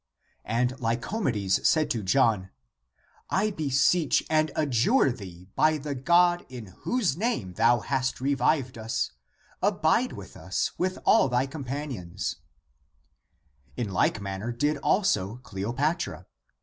And Lycomedes said to John, " I beseech and adjure thee by the God in whose name thou hast revived us, abide with us with all thy companions." 142 THE APOCRYPHAL ACTS In like manner did also Cleopatra.